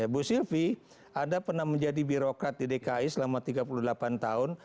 bu sylvi ada pernah menjadi birokrat di dki selama tiga puluh delapan tahun